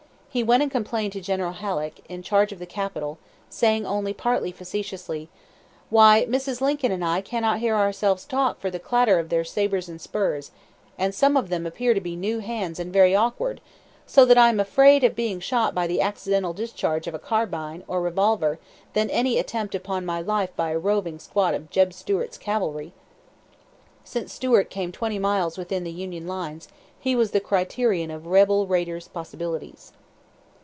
He went and complained to General Halleck, in charge of the capital, saying only partly facetiously: "Why, Mrs. Lincoln and I cannot hear ourselves talk for the clatter of their sabers and spurs; and some of them appear to be new hands and very awkward, so that I am more afraid of being shot by the accidental discharge of a carbine or revolver than of any attempt upon my life by a roving squad of 'Jeb' Stuart's cavalry." (Since Stuart came twenty miles within the Union lines, he was the criterion of rebel raiders' possibilities.)